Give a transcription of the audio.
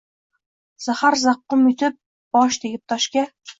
Zahar-zaqqum yutib, bosh tegib toshga